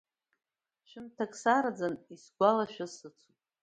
Шәымҭак сараӡан исгәалашәаз сыцуп.